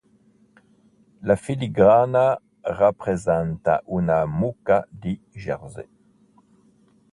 La filigrana rappresenta una mucca di Jersey.